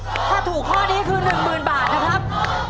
ถ้าถูกข้อนี้คือ๑๐๐๐บาทนะครับ